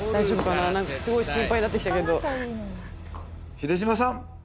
秀島さん